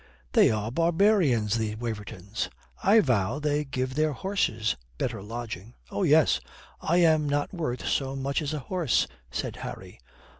"They are barbarians, these Wavertons. I vow they give their horses better lodging." "Oh yes. I am not worth so much as a horse," said Harry.